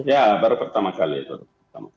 ya baru pertama kali